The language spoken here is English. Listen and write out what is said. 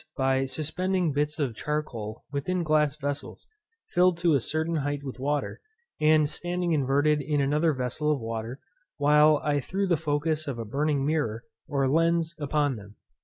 by suspending bits of charcoal within glass vessels, filled to a certain height with water, and standing inverted in another vessel of water, while I threw the focus of a burning mirror, or lens, upon them.